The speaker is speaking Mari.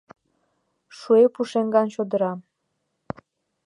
...Шуэ пушеҥган чодыра.